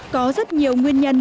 có rất nhiều nguyên nhân